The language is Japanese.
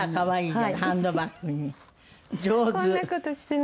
はい。